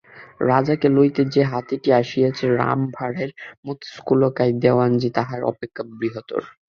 রাজাকে লইতে যে হাতিটি আসিয়াছে রমাই ভাঁড়ের মতে স্থূলকায় দেওয়ানজি তাহার অপেক্ষা বৃহত্তর।